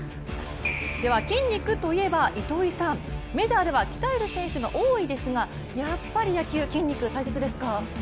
筋肉といえば糸井さん、メジャーでは鍛える選手が多いですが、やっぱり野球筋肉は大切ですか？